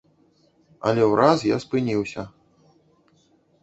Але ўраз я спыніўся.